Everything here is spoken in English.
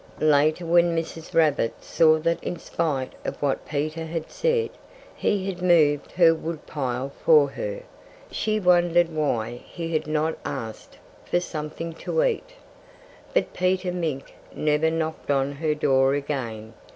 Later when Mrs. Rabbit saw that in spite of what Peter had said, he had moved her wood pile for her, she wondered why he had not asked for something to eat. But Peter Mink never knocked on her door again.